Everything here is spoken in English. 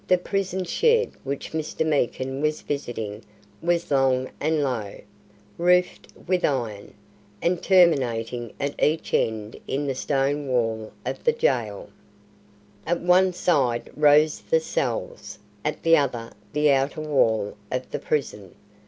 The prison shed which Mr. Meekin was visiting was long and low, roofed with iron, and terminating at each end in the stone wall of the gaol. At one side rose the cells, at the other the outer wall of the prison.